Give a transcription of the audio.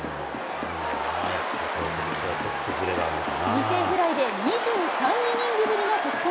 犠牲フライで２３イニングぶりの得点。